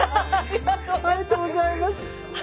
ありがとうございます。